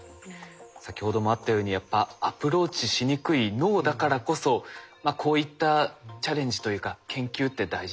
先ほどもあったようにやっぱアプローチしにくい脳だからこそこういったチャレンジというか研究って大事ですね。